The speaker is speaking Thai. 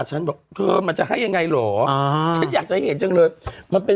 ฉันบอกเธอมันจะให้ยังไงเหรออ่าฉันอยากจะเห็นจังเลยมันเป็น